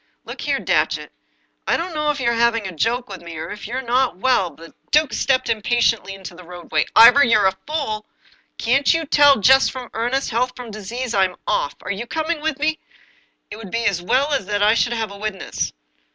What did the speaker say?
" Look here, Datchet, I don't know if you're having a joke with me, or if you're not well " The duke stepped impatiently into the roadway. " Ivor, you're a fool ! Can't you tell jest from earnest, health from disease? I'm off I Are you coming with me? It would be as well that I should have a witness."